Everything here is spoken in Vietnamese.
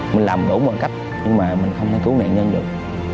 mình làm đủ bằng cách nhưng mà mình không thể cứu nạn nhân được